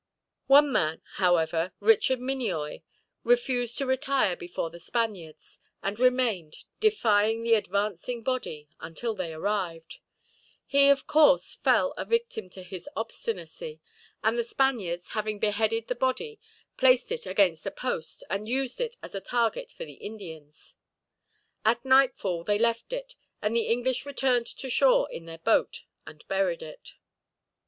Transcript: One man, however, Richard Minnioy, refused to retire before the Spaniards; and remained, defying the advancing body, until they arrived. He, of course, fell a victim to his obstinacy; and the Spaniards, having beheaded the body, placed it against a post, and used it as a target for the Indians. At nightfall they left it, and the English returned to shore in their boat, and buried it.